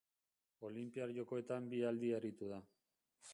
Olinpiar Jokoetan bi aldi aritu da.